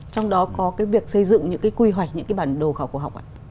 trong đó có cái việc xây dựng những cái quy hoạch những cái bản đồ khoa học ạ